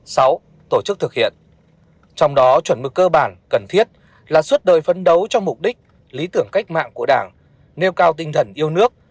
một suốt đời phấn đấu cho mục đích lý tưởng cách mạng của đảng nêu cao tinh thần yêu nước